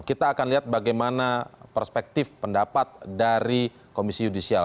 kita akan lihat bagaimana perspektif pendapat dari komisi yudisial